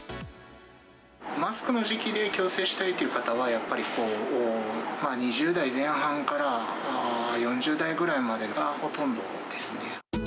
マスクの時期で矯正したいっていう方は、やっぱり２０代前半から４０代ぐらいまでがほとんどですね。